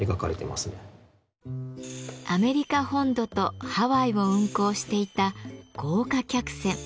アメリカ本土とハワイを運航していた豪華客船。